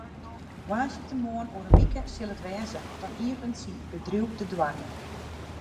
Woansdeitemoarn oer in wike sil it wêze, dan iepenet syn bedriuw de doarren.